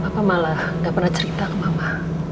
apa malah gak pernah cerita ke mama